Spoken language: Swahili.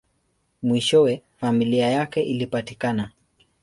Mwishowe, familia yake ilipatikana.